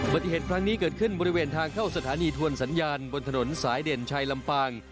ปฏิเหตุครั้งนี้เกิดขึ้นบริเวณทางเข้าสถานีทวนสัญญาณบนถนนสายเด่นชัยลำปาง